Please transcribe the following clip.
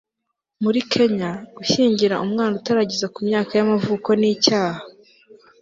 muri kenya, gushyingira umwana utarageza ku myaka y'amavuko ni icyaha